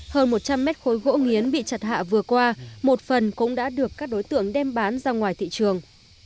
hơn một trăm linh mét khối gỗ nghiến bị chặt hạ vừa qua một phần cũng đã được các đối tượng đem bán ra ngoài thị trường